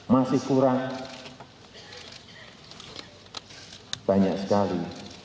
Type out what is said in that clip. masih kurang banyak sekali